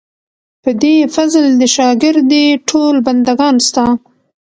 په دې فضل دې شاګر دي ټول بندګان ستا.